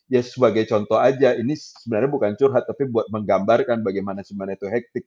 ya sebagai contoh aja ini sebenarnya bukan curhat tapi buat menggambarkan bagaimana sebenarnya itu hektik